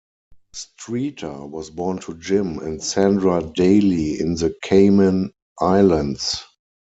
Streeter was born to Jim and Sandra Dailey in the Cayman Islands.